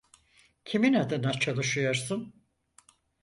Kimin adına çalışıyorsun?